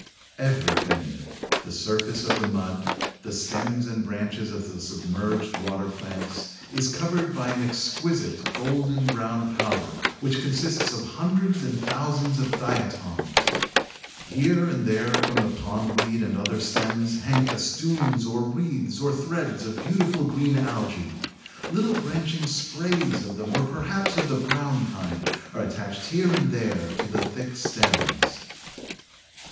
Everything, the surface of the mud, the stems and branches of the submerged water plants, is covered by an exquisite golden brown powder, which consists of hundreds and thousands of "Diatoms." Here and there from the Pondweed and other stems hang festoons or wreaths or threads of beautiful green Algæ. Little branching sprays of them, or perhaps of the brown kind, are attached here and there to the thick stems.